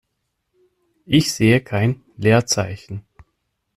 Ich sehe kein Leerzeichen.